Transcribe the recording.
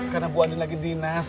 karena bu andin lagi dinas